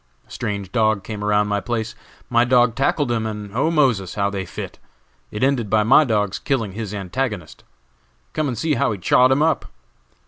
A strange dog came around my place; my dog tackled him, and 'oh, Moses,' how they fit! It ended by my dog's killing his antagonist. Come and see how he chawed him up!"